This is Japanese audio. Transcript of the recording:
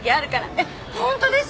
えっ本当です？